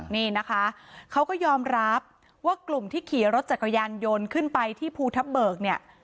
นี่นะคะเขาก็ยอมรับว่ากลุ่มที่ขี่รถจักรยานยนต์ขึ้นไปที่ภูทับเบิกเนี่ย